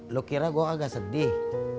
lu kira gue agak sedih